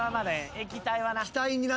液体はな。